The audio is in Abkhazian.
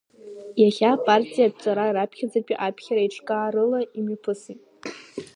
Иахьа апартиатә ҵара раԥхьатәи аԥхьара еиҿкаарыла имҩаԥысит.